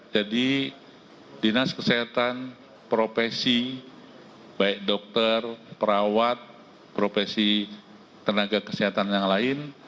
jadi dinas kesehatan profesi baik dokter perawat profesi tenaga kesehatan yang lain